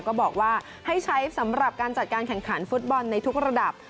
ก็บอกว่าให้ใช้สำหรับการจัดการแข่งขันฟุตบอลในทุกระดับ